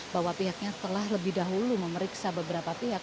bahwa pihaknya telah lebih dahulu memeriksa beberapa pihak